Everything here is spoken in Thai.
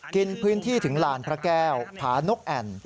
กินพื้นที่ถึงลานพระแก้วผานกแอ่น